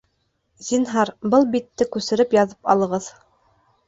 Зинһар, был битте күсереп яҙып алығыҙ